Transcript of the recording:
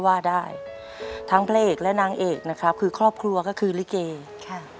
ว่าได้ทั้งพระเอกและนางเอกนะครับคือครอบครัวก็คือลิเกค่ะ